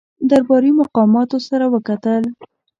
درباري مقاماتو سره وکتل.